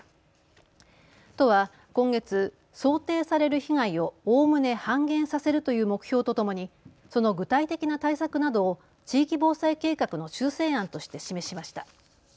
都は今月、想定される被害をおおむね半減させるという目標とともにその具体的な対策などを地域防災計画の修正案として示しました。